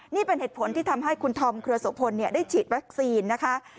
นี่เป็นเหตุผลที่ทำให้คุณธอมเครือโสพลได้ฉีดวัคซีนนะคะ